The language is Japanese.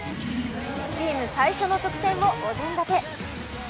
チーム最初の得点をお膳立て。